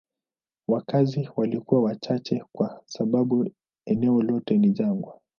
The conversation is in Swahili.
Wakazi walikuwa wachache kwa sababu eneo lote ni jangwa.